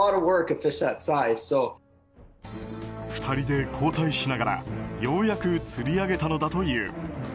２人で交代しながらようやく釣り上げたのだという。